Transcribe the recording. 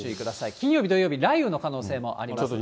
金曜日、土曜日、雷雨の可能性もありますね。